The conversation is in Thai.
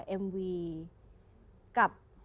เอ็มวีกับ